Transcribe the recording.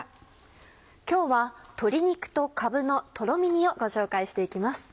今日は「鶏肉とかぶのとろみ煮」をご紹介していきます。